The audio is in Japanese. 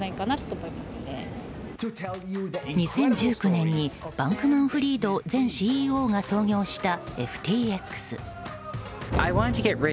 ２０１９年にバンクマンフリード前ＣＥＯが創業したＦＴＸ。